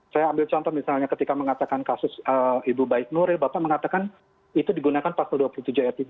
saya ambil contoh misalnya ketika mengatakan kasus ibu baik nuril bapak mengatakan itu digunakan pasal dua puluh tujuh ayat tiga